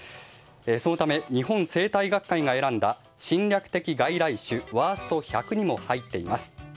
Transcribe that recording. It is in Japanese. そのため日本生態学会が選んだ侵略的外来種ワースト１００にも入っています。